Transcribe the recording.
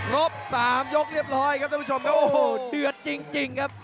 ครบ๓ยกเรียบร้อยครับท่านผู้ชมครับโอ้โหเดือดจริงครับ